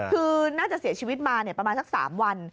คือน่าจะเสียชีวิตมาประมาณสัก๓วัน